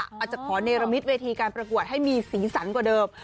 อาจจะขอเนรมิตเวทีการประกวดให้มีสีสันกว่าเดิม